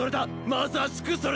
まさしくそれだ！